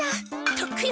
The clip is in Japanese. とっくよ！